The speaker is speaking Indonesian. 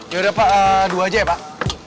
yaudah dua aja ya pak